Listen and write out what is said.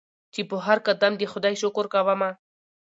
چي پر هرقدم د خدای شکر کومه